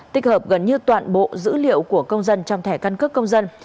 tích hợp gần như toàn bộ dữ liệu của công dân trong thẻ căn cước công dân